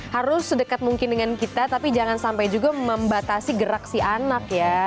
harus sedekat mungkin dengan kita tapi jangan sampai juga membatasi gerak si anak ya